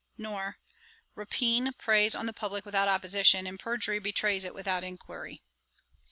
Nor 'Rapine preys on the publick without opposition, and perjury betrays it without inquiry.'